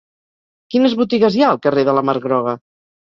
Quines botigues hi ha al carrer de la Mar Groga?